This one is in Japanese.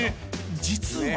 ［実は］